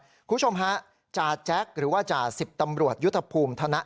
คุณผู้ชมฮะจ่าแจ็คหรือว่าจ่าสิบตำรวจยุทธภูมิธน